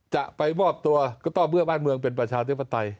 จะไปมอบตัวก็ต้องเมื่อบ้านเมืองเป็นประชาธิปไตย